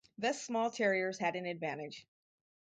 Thus small terriers had an advantage.